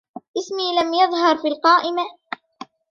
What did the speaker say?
اسمي لم يظهر في القائمة.